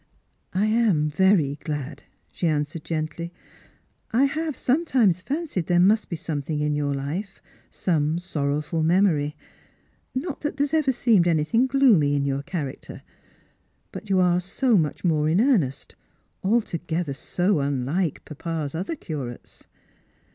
" I am very glad," she jmswered gently. _" I have sometimes fancied there must be something in your life, some sorrowful memory: not that there has ever seemed anything gloomy in your character ; but you are so much more in earnest, altogether BO unlike papa'o other curates."